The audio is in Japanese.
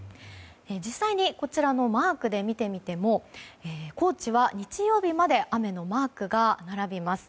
実際に、こちらのマークで見てみても高知は日曜日まで雨のマークが並びます。